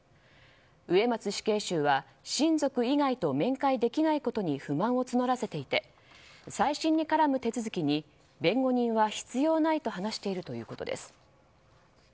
植松死刑囚は親族以外と面会できないことに不満を募らせていて再審に絡む手続きに弁護人は必要ないと話しているということです。